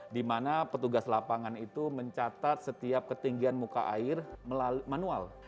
di mana petugas lapangan itu mencatat setiap ketinggian muka air manual